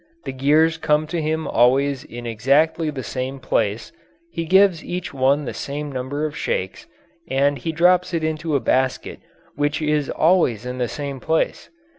The gears come to him always in exactly the same place, he gives each one the same number of shakes, and he drops it into a basket which is always in the same place.